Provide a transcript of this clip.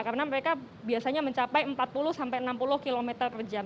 karena mereka biasanya mencapai empat puluh sampai enam puluh km per jam